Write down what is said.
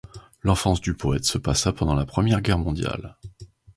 L'enfance du poète se passa pendant la Première Guerre mondiale.